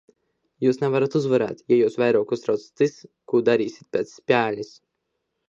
Jūs nevarat uzvarēt, ja jūs vairāk uztrauc tas, ko darīsiet pēc spēles!